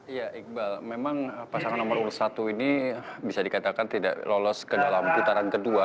iya iqbal memang pasangan nomor urut satu ini bisa dikatakan tidak lolos ke dalam putaran kedua